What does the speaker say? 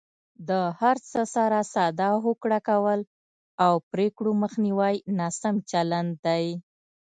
د هر څه سره ساده هوکړه کول او پرېکړو مخنیوی ناسم چلند دی.